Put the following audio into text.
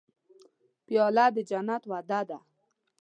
پیاله د جنت وعده ده.